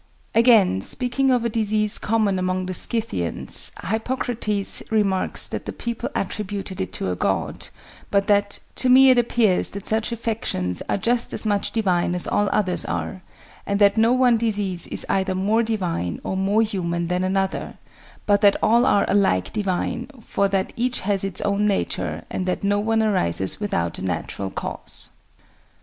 Again, speaking of a disease common among the Scythians, Hippocrates remarks that the people attributed it to a god, but that "to me it appears that such affections are just as much divine as all others are, and that no one disease is either more divine or more human than another, but that all are alike divine, for that each has its own nature, and that no one arises without a natural cause."